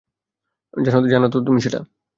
জানো তুমি সেটা?